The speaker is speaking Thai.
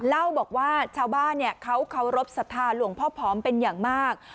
เล่าบอกว่าชาวบ้านเนี่ยเขาเคารพศภาคเป็นอย่างมาก